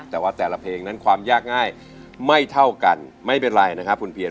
แต่ว่าแต่ละเพลงนั้นความยากง่ายไม่เท่ากันไม่เป็นไรนะครับคุณเพียร